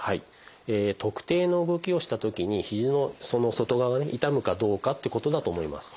特定の動きをしたときに肘の外側がね痛むかどうかってことだと思います。